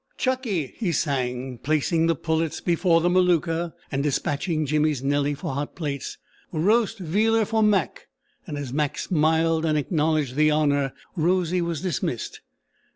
"Chuckie!" he sang, placing the pullets before the Maluka, and dispatching Jimmy's Nellie for hot plates; "Roast Vealer for Mac," and as Mac smiled and acknowledged the honour, Rosy was dismissed.